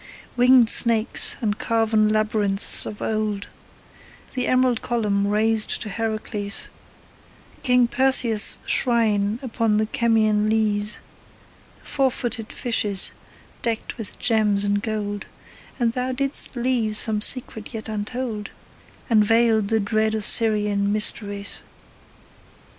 Winged snakes, and carven labyrinths of old; The emerald column raised to Heracles; King Perseus' shrine upon the Chemmian leas; Four footed fishes, decked with gems and gold: But thou didst leave some secrets yet untold, And veiled the dread Osirian mysteries.